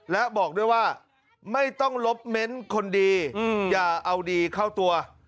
และบอกด้วยว่าไม่ต้องลบเม้นคนดีอย่าเอาดีเข้าตัว